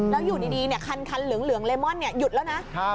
แล้วอยู่ดีคันเหลืองเลมอนหยุดแล้วนะ